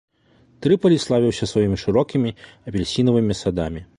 Трыпалі славіўся сваімі шырокімі апельсінавымі садамі.